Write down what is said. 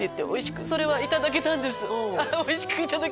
おいしくいただけたんです